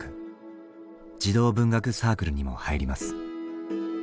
児童文学サークルにも入ります。